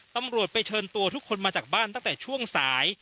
ตำรวจไปเชิญตัวทุกคนมาจากบ้านตั้งแต่ช่วงสาย